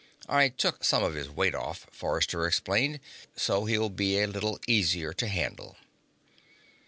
"I took some of his weight off," Forrester explained, "so he'll be a little easier to handle."